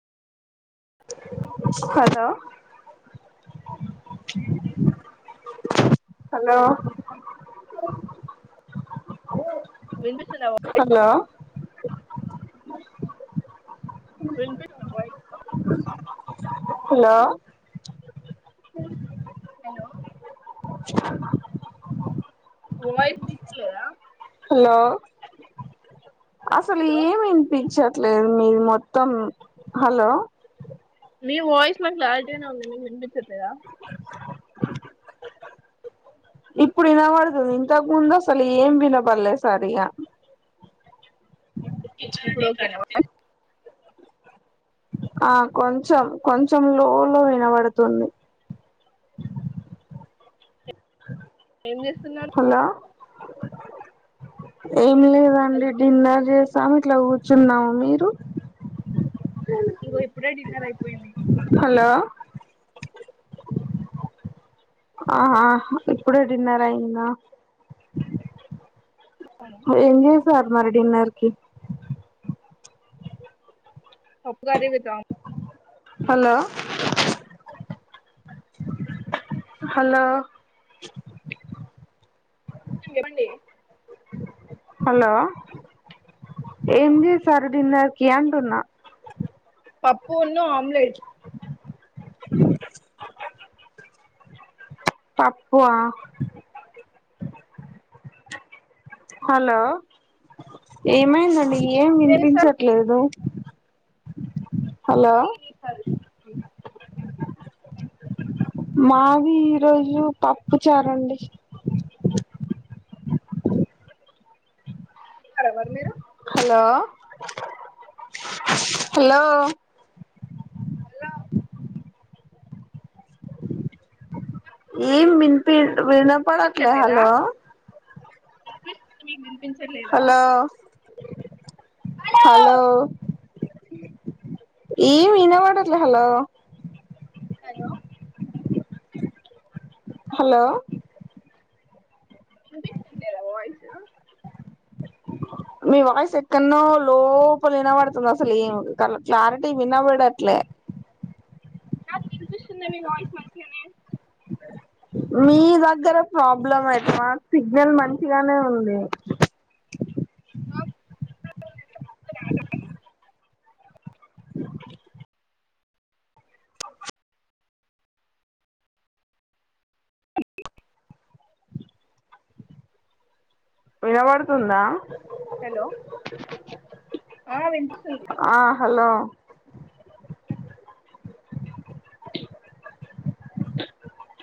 Hello hello విపిస్తుందా voice hello వినిపిస్తుంది voice hello hello voice కులే హలో అసలు హలో ఏమి వినిపించట్లేదు మీరు మొత్తం హలో మీ వాయిస్ నాకు క్లారిటీగానే ఉంది వినిపించట్లేద ఇప్పుడు వినబడతుంది. ఇంతకు ముందు అసలు ఏం వినబడలే సరిగా ఇప్పుడు ఓకేనావా ఆ కొంచెం కొంచెం లో లో వినబడుతుంది ఏం చేస్తున్నారు హలో ఏం లేదండి హలో డిన్నర్ చేస్ సమిట్లా కూర్చున్నాము మీరు ఇగో ఇప్పుడే డిన్నర్ అయిపోయింది హలో ఆహా ఇప్పుడే డిన్నర్ అయింద అవును. ఎం చేసార్ మరి డిన్నర్కి పప్పు curry with um hello hello సింగె బండి హలో ఏం జేసారు డిన్నర్కి అంటున్నా పప్పు ఉన్ను ఆమ్లెట్ పప్పు ఆ హలో ఏమైందండి ఏం వినిపించట్లేదు హలో ఏం చేస్తారు ఇది? మాది ఈ హలో రోజు పప్పు చారండి హలొవరు మీరు హలో నా మీరు హలో అ నాకు వాయిస్ ఎం వినీపేయ్ వినపడట్లే వినిపించట్లేదా హలో వినిపిస్తుంది మీకు వినిపించట్లేదా హలో హలో ఏ ఎం వినపడట్లా హలో హలో హలో వినిపిస్తలేదా వాయిస్ మీ వాయిస్ ఎక్కన్నో లోపల వినబడుతుంది అసలు ఏమి కాల్ క్లారిటీ వినబడట్లే నాకు నాకు వినిపిస్తుంది మీ వాయిస్ మంచిగనే మీ దగ్గరే ప్రాబ్లం అయి మాకు సిగ్నల్ మంచిగనే ఉంది నాకు రావట్లేదు వినబడుతుందా హలో ఆ వినిపిస్తుంది ఆ హలో